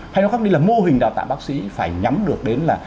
hay nó khác đi là mô hình đào tạo bác sĩ phải nhắm được đến là